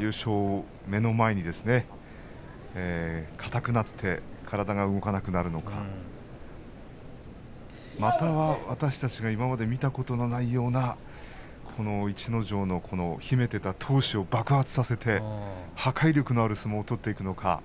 優勝を目の前にして硬くなって体が動かなくなるのかまたは私たちが見たことのない逸ノ城の秘めていた闘志を爆発させて破壊力のある相撲を取っていくのか。